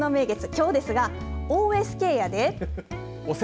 きょうですがＯＳＫやで。